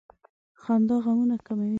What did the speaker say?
• خندا غمونه کموي.